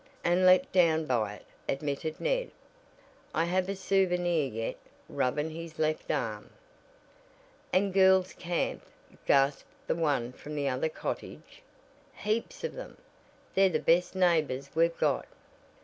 "And let down by it," admitted Ned, "I have a souvenir yet," rubbing his left arm. "And girls camp!" gasped the one from the other cottage. "Heaps of them. They're the best neighbors we've got.